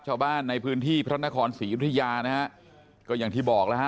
ชาวบ้านในพื้นที่พระนครศรียุธยานะฮะก็อย่างที่บอกแล้วฮะ